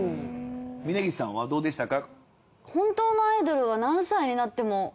峯岸さんはどうでしたか？